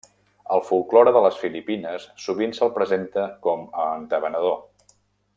Al folklore de les Filipines sovint se'l presenta com a entabanador.